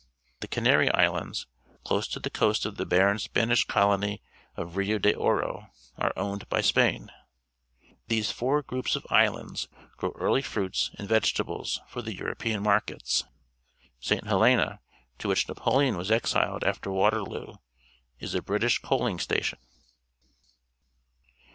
The Canary Islands, close to the coast of the barren Spanish colony of Rio de Oro, are owned by Spain. These four groups of islands grow early fruits and vegetables for the European markets. St. Helena, to which Napoleon was exiled after Waterloo, is a British coaling station.